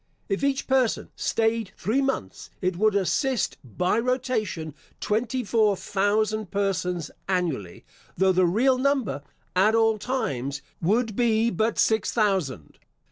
If each person stayed three months, it would assist by rotation twenty four thousand persons annually, though the real number, at all times, would be but six thousand.